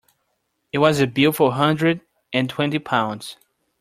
It was a bill for a hundred and twenty pounds.